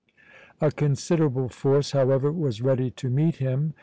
A considerable force, however, was ready to meet him.